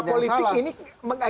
bukan strategi yang salah